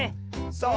そう。